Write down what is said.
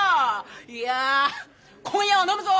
いや今夜は飲むぞ。